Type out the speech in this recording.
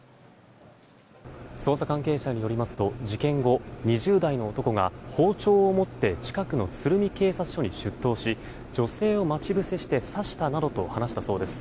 捜査関係者によりますと事件後２０代の男が包丁を持って近くの鶴見警察署に出頭し女性を待ち伏せして刺したなどと話したそうです。